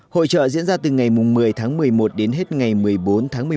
hội trợ diễn ra từ ngày một mươi tháng một mươi một đến hết ngày một mươi bốn tháng một mươi một